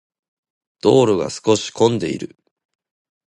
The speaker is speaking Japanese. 道路が少し混んでいる。